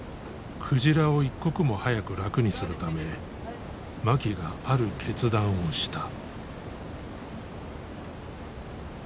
鯨を一刻も早く楽にするため槇がある決断をした。